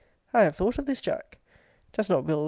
I have thought of this, Jack. Does not Will.